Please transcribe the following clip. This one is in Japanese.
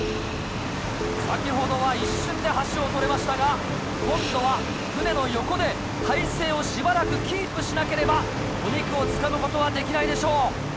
先ほどは一瞬で箸を取れましたが今度は船の横で体勢をしばらくキープしなければお肉をつかむことはできないでしょう。